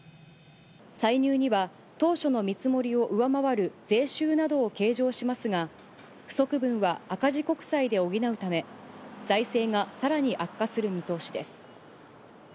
歳入には、当初の見積もりを上回る税収などを計上しますが、不足分は赤字国債で補うため、財政がさらに悪化する見通しです。